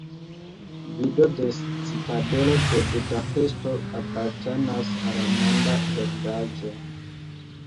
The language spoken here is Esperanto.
Vido de la Citadelo de Budapeŝto apartenas al Monda Heredaĵo.